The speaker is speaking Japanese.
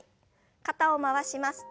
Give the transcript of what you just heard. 肩を回します。